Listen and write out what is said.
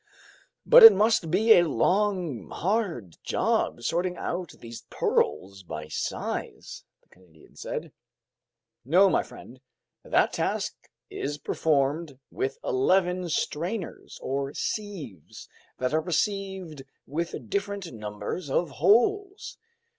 "But it must be a long, hard job, sorting out these pearls by size," the Canadian said. "No, my friend. That task is performed with eleven strainers, or sieves, that are pierced with different numbers of holes.